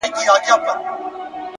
هره هڅه د راتلونکي تخم کري